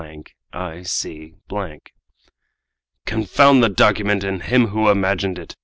ic._ "Confound the document and him who imagined it!"